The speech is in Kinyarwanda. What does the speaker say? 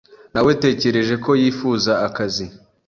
Nawetekereje ko yifuza akazi.